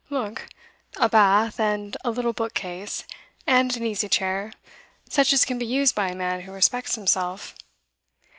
Look; a bath, and a little book case, and an easy chair such as can be used by a man who respects himself.